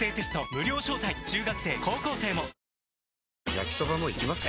焼きソバもいきます？